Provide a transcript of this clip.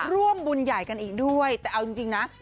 ร่วมบุญใหญ่กันอีกด้วยแต่เอาจริงนะ